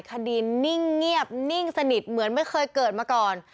นิ่งเงียบนิ่งสนิทเหมือนไม่เคยเกิดมาก่อน